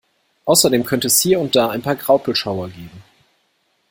Außerdem könnte es hier und da ein paar Graupelschauer geben.